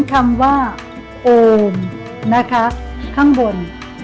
คำว่าโอมนะคะข้างบน